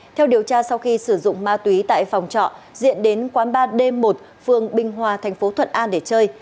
theo điều tra sau khi sử dụng ma túy tại phòng trọ diện đến quán ba d một phương binh hòa tp thuận an để chơi